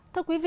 thưa quý vị